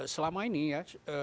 selama ini ya